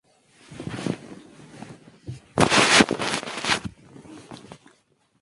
Este grupo trabajaba en torno a una unidad, la montaba, y repetía el proceso.